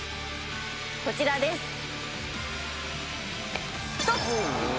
こちらです。